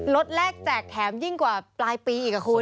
แรกแจกแถมยิ่งกว่าปลายปีอีกคุณ